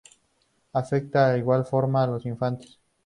Afecta de igual forma a los infantes.